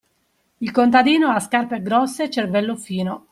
Il contadino ha scarpe grosse e cervello fino.